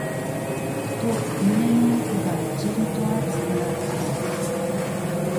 ふと、胸の奥がじんと熱くなった。